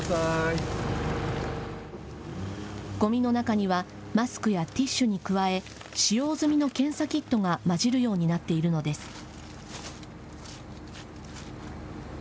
ごみの中にはマスクやティッシュに加え使用済みの検査キットがまじるようになっているのです。